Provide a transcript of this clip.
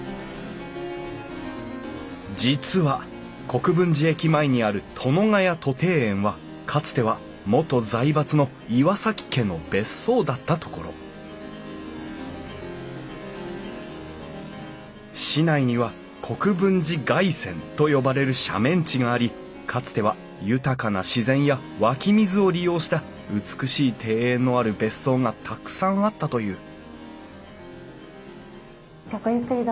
実は国分寺駅前にある殿ヶ谷戸庭園はかつては元財閥の岩崎家の別荘だった所市内には国分寺崖線と呼ばれる斜面地がありかつては豊かな自然や湧き水を利用した美しい庭園のある別荘がたくさんあったというじゃあごゆっくりどうぞ。